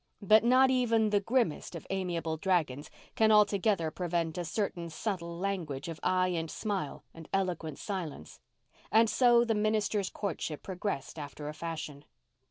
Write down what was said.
But not even the grimmest of amiable dragons can altogether prevent a certain subtle language of eye and smile and eloquent silence; and so the minister's courtship progressed after a fashion.